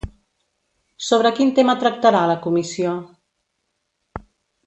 Sobre quin tema tractarà la comissió?